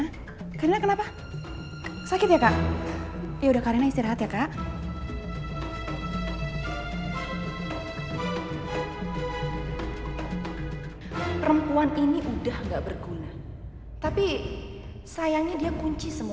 apa itu bener bener terjadi sama aku